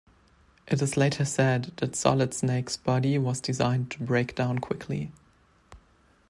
It is later said that Solid Snake's body was designed to break down quickly.